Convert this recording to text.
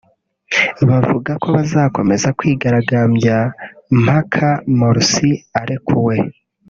bavuga ko bazakomeza kwigaragambya mpaka Morsi arekuwe